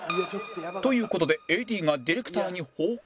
という事で ＡＤ がディレクターに報告